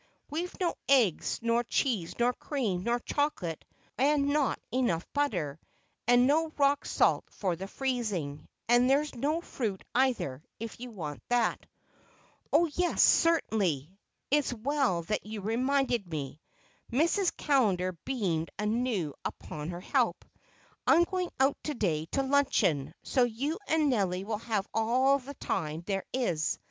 We've no eggs, nor cheese, nor cream, nor chocolate, and not enough butter, and no rock salt for the freezing, and there's no fruit either, if you want that." "Oh, yes, certainly! It's well that you reminded me." Mrs. Callender beamed anew upon her help. "I'm going out to day to luncheon, so you and Nelly will have all the time there is.